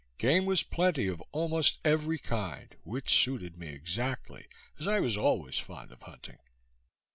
Game was plenty of almost every kind, which suited me exactly, as I was always fond of hunting.